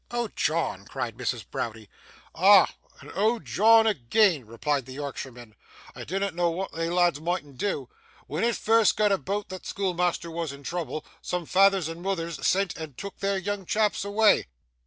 'Oh, John!' cried Mrs. Browdie. 'Ah! and Oh, John agean,' replied the Yorkshireman. 'I dinnot know what they lads mightn't do. When it first got aboot that schoolmeasther was in trouble, some feythers and moothers sent and took their young chaps awa'.